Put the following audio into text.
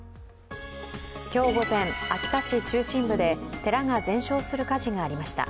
今日午前、秋田市中心部で寺が全焼する火事がありました。